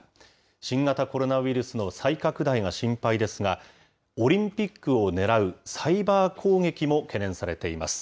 新型コロナウイルスの再拡大が心配ですが、オリンピックを狙うサイバー攻撃も懸念されています。